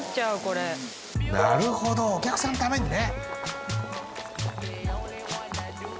なるほどお客さんのためにね